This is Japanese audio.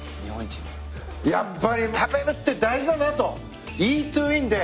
やっぱり食べるって大事だねと。